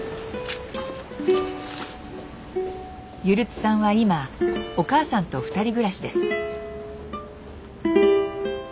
ゆるつさんは今お母さんと二人暮らしです。